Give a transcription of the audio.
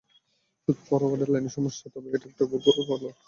শুধু ফরোয়ার্ড লাইনে সমস্যা, একটা গোল করো, তাহলেই দেখবে আরও গোল আসবে।